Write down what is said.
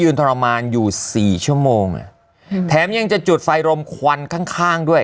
ทรมานอยู่สี่ชั่วโมงอ่ะแถมยังจะจุดไฟลมควันข้างข้างด้วย